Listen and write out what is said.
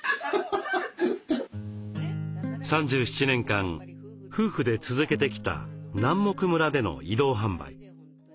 ３７年間夫婦で続けてきた南牧村での移動販売。